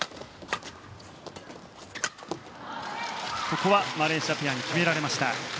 ここはマレーシアペアに決められました。